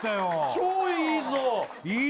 超いいぞい